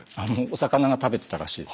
お魚が食べてたらしい。